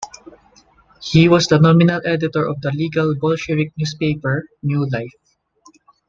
He was the nominal editor of the legal Bolshevik newspaper "New Life".